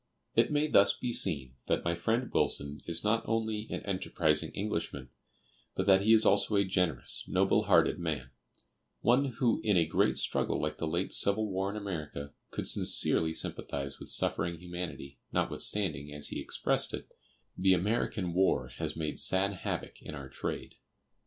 It may thus be seen that my friend Wilson is not only "an enterprising Englishman," but that he is also a generous, noble hearted man, one who in a great struggle like the late civil war in America, could sincerely sympathize with suffering humanity, notwithstanding, as he expressed it, "the American war has made sad havoc in our trade."